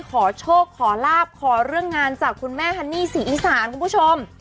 ขอโชคขอลาบขอเรื่องงานจากคุณแม่ฮันนี่ศรีอีสานคุณผู้ชม